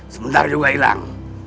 sebentar juga hilang